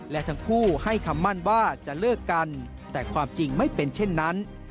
และทั้งคู่ให้คำมั่นว่าจะเลิกกันแต่ความจริงไม่เป็นเช่นนั้น